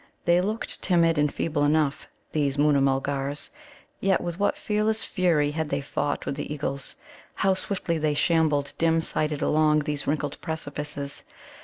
They looked timid and feeble enough, these Moona mulgars, yet with what fearless fury had they fought with the eagles! How swiftly they shambled dim sighted along these wrinkled precipices!